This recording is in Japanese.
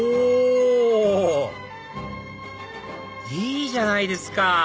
いいじゃないですか！